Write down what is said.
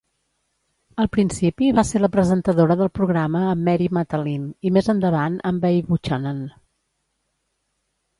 Al principi va ser la presentadora del programa amb Mary Matalin i, més endavant, amb Bay Buchanan.